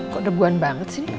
kok debuan banget sih